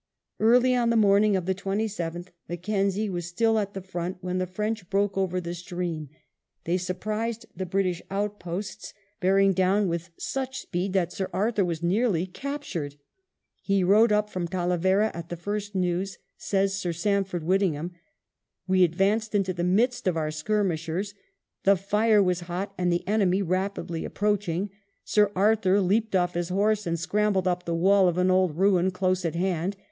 Early on the morning of the 27th, Mac kenzie was still at the front when the French broke over the stream; they surprised the British outposts, bear ing down with such speed that Sir Arthur was nearly captured. He rode up from Talavera at the first news, says Sir Samf ord Whittingham. " We advanced into the midst of our skirmishers. The fire was hot, and the enemy rapidly approaching. Sir Arthur leaped off his horse and scrambled up the wall of an old ruin close at hand.